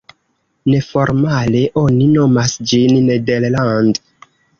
Neformale oni nomas ĝin "Nederland.